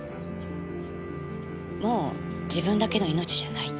もう自分だけの命じゃないって。